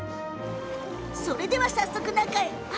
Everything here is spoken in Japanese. それでは早速、中へ。